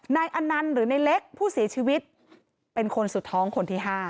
อนันต์หรือในเล็กผู้เสียชีวิตเป็นคนสุดท้องคนที่๕